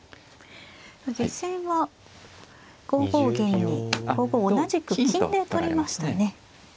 実戦は５五銀に５五同じく金で取りましたね。